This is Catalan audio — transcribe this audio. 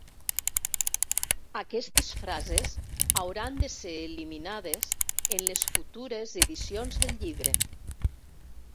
Aquestes frases hauran de ser eliminades en les futures edicions del llibre.